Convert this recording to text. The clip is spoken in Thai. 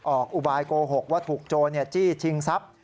อุบายโกหกว่าถูกโจรจี้ชิงทรัพย์